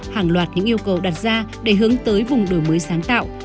hàng loạt những yêu cầu đặt ra để hướng tới vùng đổi mới sáng tạo